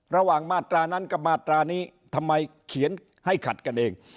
มาตรานั้นกับมาตรานี้ทำไมเขียนให้ขัดกันเอง